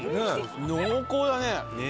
濃厚だね。